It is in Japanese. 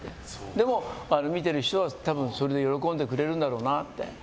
でも、見てる人は多分それで喜んでくれるんだろうなって。